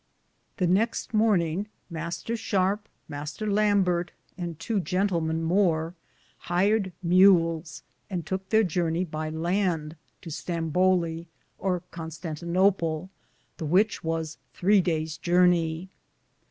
57 The nexte morninge, Mr. Sharpe, Mr. Lamberte, and tow jentlmen more, hiered mules, and touke theire jurnaye by lande to Stambole, or Constantinople, the which was 3 dayes jurnaye.